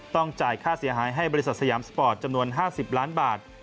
จ่ายค่าเสียหายให้บริษัทสยามสปอร์ตจำนวน๕๐ล้านบาท